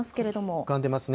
浮かんでますね。